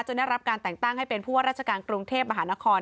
ได้รับการแต่งตั้งให้เป็นผู้ว่าราชการกรุงเทพมหานคร